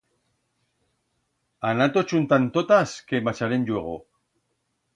Anat-tos chuntand totas, que marcharem lluego.